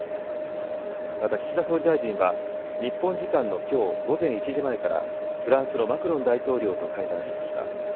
また岸田総理大臣は日本時間のきょう午前１時前からフランスのマクロン大統領と会談しました。